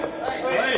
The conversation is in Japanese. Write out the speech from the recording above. はい。